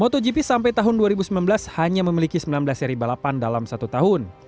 motogp sampai tahun dua ribu sembilan belas hanya memiliki sembilan belas seri balapan dalam satu tahun